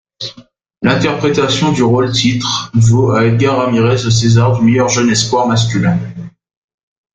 L'interprétation du rôle-titre vaut à Edgar Ramirez le César du meilleur jeune espoir masculin.